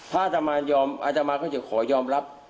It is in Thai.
ถ้าอาธรรมายอมอาธรรมาก็จะขอยอมรับ